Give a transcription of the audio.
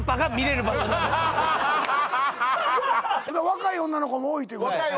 若い女の子も多いということ？